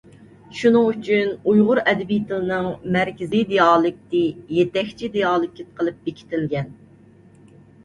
شۇنىڭ ئۈچۈن ئۇيغۇر ئەدەبىي تىلىنىڭ مەركىزىي دىئالېكتى يېتەكچى دىئالېكت قىلىپ بېكىتىلگەن.